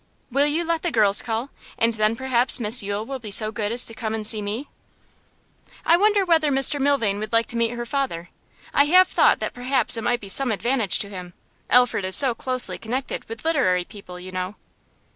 'Will you let the girls call? And then perhaps Miss Yule will be so good as to come and see me?' 'I wonder whether Mr Milvain would like to meet her father? I have thought that perhaps it might be some advantage to him. Alfred is so closely connected with literary people, you know.